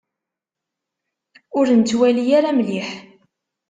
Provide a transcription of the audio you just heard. Ur nettwali ara mliḥ.